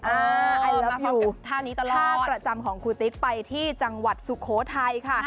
อ๋อมาพร้อมกับท่านี้ตลอดคุณติ๊กไปที่จังหวัดสุโขทัยค่ะ